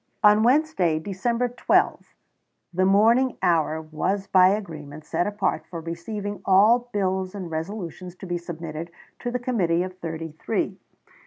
On Wednesday, December 12, the morning hour was by agreement set apart for receiving all bills and resolutions to be submitted to the Committee of Thirty three.